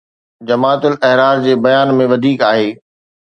جماعت الاحرار جي بيان ۾ وڌيڪ آهي